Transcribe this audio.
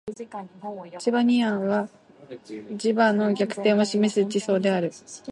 チバニアンは磁場の逆転を示す地層である